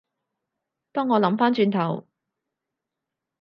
當我諗返轉頭